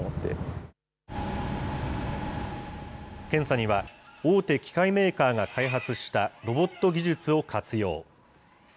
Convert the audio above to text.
検査には大手機械メーカーが開発したロボット技術を活用。